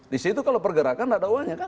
di situ kalau pergerakan ada uangnya kan